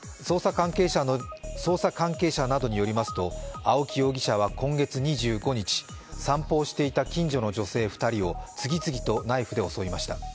捜査関係者などによりますと青木容疑者は今月２５日、散歩をしていた近所の女性２人を次々とナイフで襲いました。